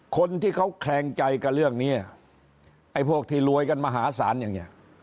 คนที่เขาแคลงใจกับเรื่องนี้ไอ้พวกที่รวยกันมหาศาลอย่างนี้